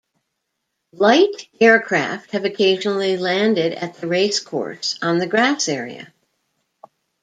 Light aircraft have occasionally landed at the racecourse on the grass area.